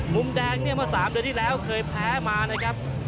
มุมแดงเมื่อ๓เดือนที่แล้วเคยแพ้มา